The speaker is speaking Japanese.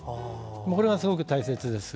これがすごく大切です。